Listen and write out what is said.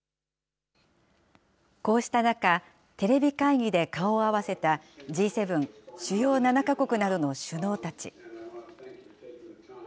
こうした中、テレビ会議で顔を合わせたＧ７・主要７か国などの首脳たち。